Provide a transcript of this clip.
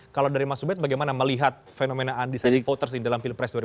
kalau dari mas ubed bagaimana melihat fenomena undecided voters di dalam pilpres dua ribu sembilan belas